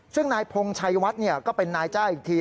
ซึ่งนายพงชัยวัดก็เป็นนายจ้างอีกที